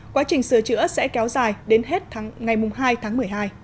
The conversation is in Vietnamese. quá trình sửa chữa sẽ kéo dài đến hết ngày hai tháng một mươi hai